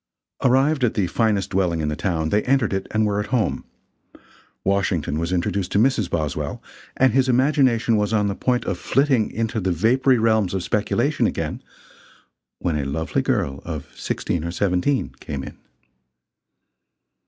Arrived at the finest dwelling in the town, they entered it and were at home. Washington was introduced to Mrs. Boswell, and his imagination was on the point of flitting into the vapory realms of speculation again, when a lovely girl of sixteen or seventeen came in.